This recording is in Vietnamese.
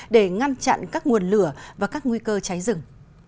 để ngăn chặn các nguồn lửa và các nguy cơ cháy rừng